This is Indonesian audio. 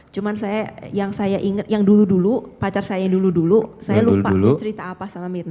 cuma saya yang saya ingat yang dulu dulu pacar saya yang dulu dulu saya lupa cerita apa sama mirna